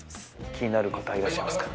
気になる方はいらっしゃいますか？